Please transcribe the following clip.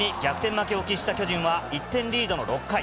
負けを喫した巨人は、１点リードの６回。